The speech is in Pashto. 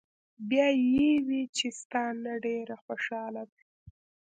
" بیا ئې وې چې " ستا نه ډېره خوشاله ده